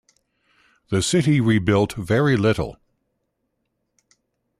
The city rebuilt very little.